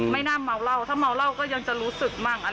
ไม่น่าเมาเหล้าถ้าเมาเหล้าก็ยังจะรู้สึกมั่ง